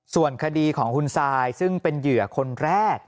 ส่วนคดีของคุณซายซึ่งเป็นเหยื่อคนแรก